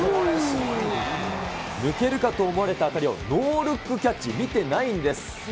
抜けるかと思われた当たりを、ノールックキャッチ、見てないんです。